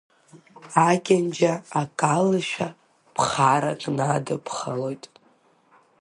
Акьанџьа акалашәа, ԥхарак надыԥхалоит.